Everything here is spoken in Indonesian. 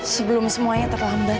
sebelum semuanya terlambat